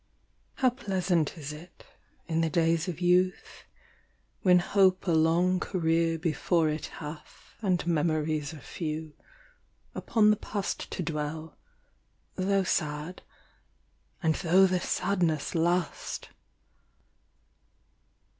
How pleasant is it, in the days of youth, When hope a long career before it hath, And memories are few, upon the past To dwell, though sad, and though the sadness last!